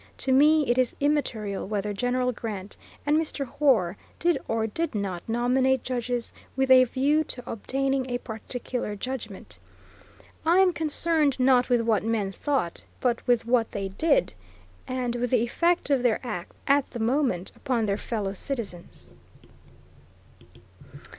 To me it is immaterial whether General Grant and Mr. Hoar did or did not nominate judges with a view to obtaining a particular judgment. I am concerned not with what men thought, but with what they did, and with the effect of their acts at the moment, upon their fellow citizens.